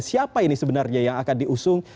siapa ini sebenarnya yang akan diusung